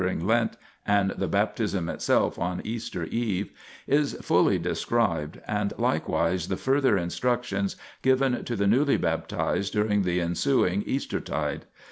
xliv INTRODUCTION Lent and the Baptism itself on Easter Eve is fully described, and likewise the further instructions given to the newly baptized during the ensuing Easter tide.